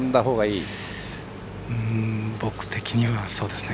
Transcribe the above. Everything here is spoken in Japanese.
僕的にはそうですね。